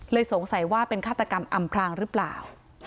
สงสัยว่าเป็นฆาตกรรมอำพรางหรือเปล่า